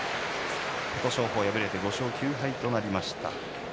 琴勝峰は敗れて５勝９敗となりました。